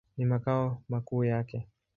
Ni makao makuu yake.